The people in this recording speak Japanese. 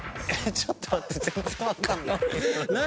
ちょっと待って全然わかんない何？